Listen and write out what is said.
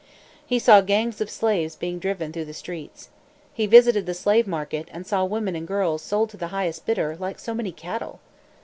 He saw gangs of slaves being driven through the streets. He visited the slave market, and saw women and girls sold to the highest bidder like so many cattle.